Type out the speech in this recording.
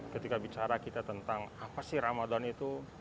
ketika bicara kita tentang apa sih ramadan itu